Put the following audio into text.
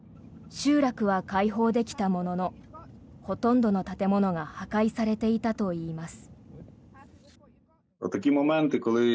集落は解放できたもののほとんどの建物が破壊されていたといいます。